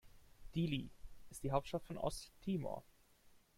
Dili ist die Hauptstadt von Osttimor.